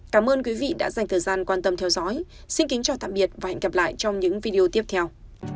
cảm ơn quý vị đã dành thời gian quan tâm theo dõi xin kính chào tạm biệt và hẹn gặp lại trong những video tiếp theo